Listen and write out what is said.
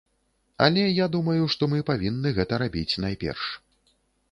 Але я думаю, што мы павінны гэта рабіць найперш.